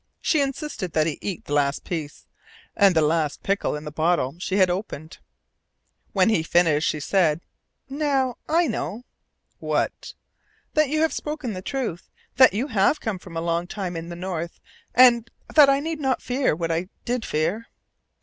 She insisted that he eat the last piece, and the last pickle in the bottle she had opened. When he finished, she said: "Now I know." "What?" "That you have spoken the truth, that you have come from a long time in the North, and that I need not fear what I did fear."